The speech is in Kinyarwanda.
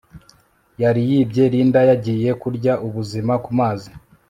yari yibye Linda yagiye kurya ubuzima ku mazi